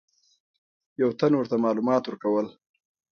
یو تن ورته معلومات ورکول.